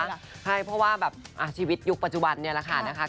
ใช่เพราะว่าแบบชีวิตยุคปัจจุบันเนี่ยแหละค่ะนะคะ